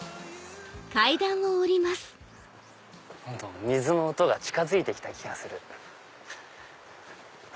どんどん水の音が近づいて来た気がする。